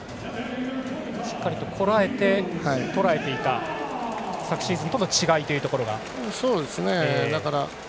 しっかりとこらえてとらえていた昨シーズンとの違いというところが。